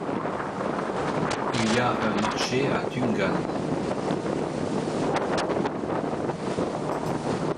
Il y a un marché à Tungande.